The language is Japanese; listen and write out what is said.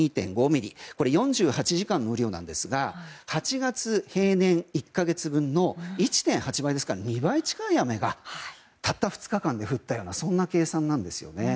４８時間の雨量ですが８月平年１か月分の１．８倍ですから２倍近い雨がたった２日間で降ったようなそんな計算なんですね。